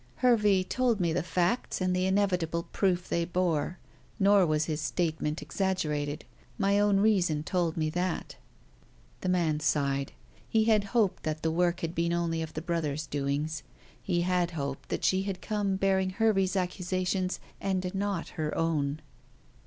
"Hervey told me the facts and the inevitable proof they bore. Nor was his statement exaggerated. My own reason told me that." The man sighed. He had hoped that the work had been only of the brother's doings. He had hoped that she had come bearing Hervey's accusation and not her own.